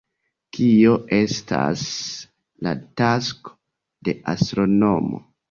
Kio estas la tasko de astronomo?